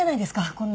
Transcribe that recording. こんな。